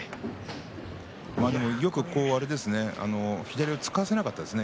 よく左を突かせなかったですね